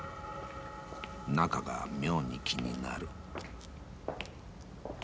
［中が妙に気になる］